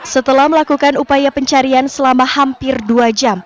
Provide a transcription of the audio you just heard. setelah melakukan upaya pencarian selama hampir dua jam